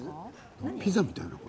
ピザみたいなこと？